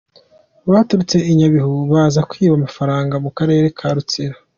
Baturutse i Nyabihu baza kwiba amafaranga mu karere ka Rutsiro.